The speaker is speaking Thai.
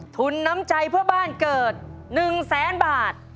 ทุนน้ำใจเพื่อบ้านเกิด๑แสนบาท